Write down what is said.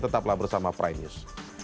tetaplah bersama prime news